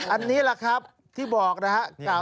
อันนี้แหละครับที่บอกนะครับ